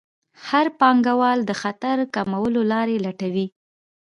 هر پانګوال د خطر کمولو لارې لټوي.